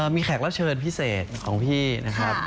มีแขกรับเชิญพิเศษของพี่นะครับ